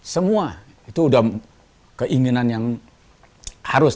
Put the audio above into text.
semua itu udah keinginan yang harus